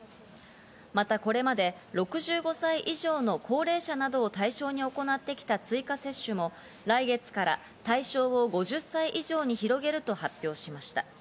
またこれまで６５歳以上の高齢者などを対象に行ってきた追加接種も来月から対象を５０歳以上に広げると発表しました。